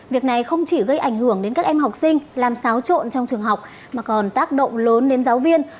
việc này không chỉ gây ảnh hưởng đến các em học sinh làm xáo trộn trong trường học mà còn tác động lớn đến giáo viên